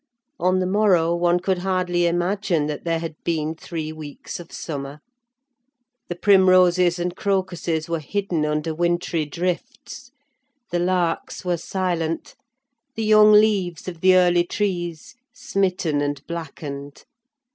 On the morrow one could hardly imagine that there had been three weeks of summer: the primroses and crocuses were hidden under wintry drifts; the larks were silent, the young leaves of the early trees smitten and blackened.